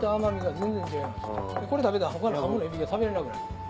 これ食べたら他のハモの湯引きが食べれなくなる。